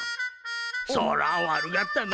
そら悪がったな。